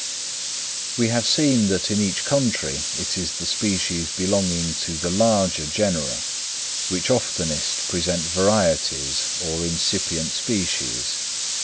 We have seen that in each country it is the species belonging to the larger genera which oftenest present varieties or incipient species.